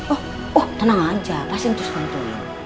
oh tenang aja pasti cus bantu